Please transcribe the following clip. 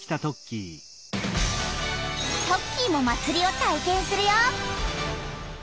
トッキーも祭りを体けんするよ！